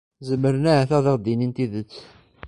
Zemren, ahat, ad aɣ-d-inin tidet.